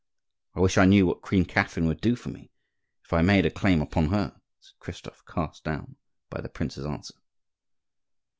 "I wish I knew what Queen Catherine would do for me, if I made a claim upon her," said Christophe, cast down by the prince's answer.